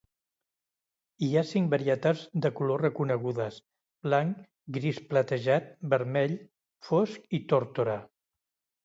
Hi ha cinc varietats de color reconegudes: blanc, gris platejat, vermell, fosc i tórtora.